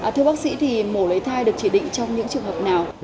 thưa bác sĩ thì mổ lấy thai được chỉ định trong những trường hợp nào